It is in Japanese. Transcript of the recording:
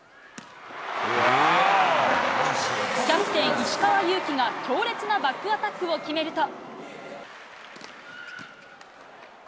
キャプテン、石川祐希が強烈なバックアタックを決めると。